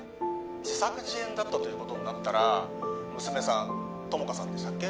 自作自演だったということになったら娘さん友果さんでしたっけ？